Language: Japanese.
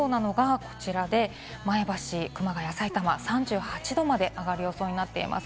特に上がりそうなのが、こちらで、前橋、熊谷、さいたまは３８度まで上がる予想になっています。